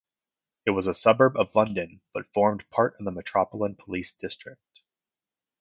It was a suburb of London, but formed part of the Metropolitan Police District.